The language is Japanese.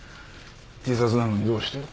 自殺なのにどうして？